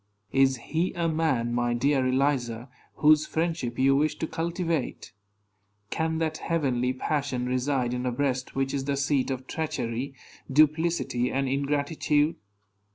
Is he a man, my dear Eliza, whose friendship you wish to cultivate? Can that heavenly passion reside in a breast which is the seat of treachery, duplicity, and ingratitude?